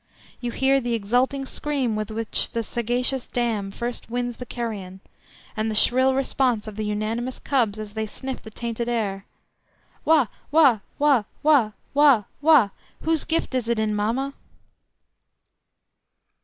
You hear the exulting scream with which the sagacious dam first winds the carrion, and the shrill response of the unanimous cubs as they sniff the tainted air, "Wha! wha! wha! wha! wha! wha! Whose gift is it in, mamma?"